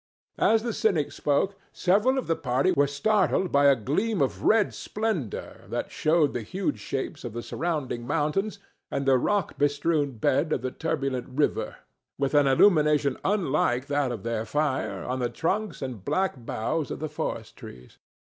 As the cynic spoke several of the party were startled by a gleam of red splendor that showed the huge shapes of the surrounding mountains and the rock bestrewn bed of the turbulent river, with an illumination unlike that of their fire, on the trunks and black boughs of the forest trees.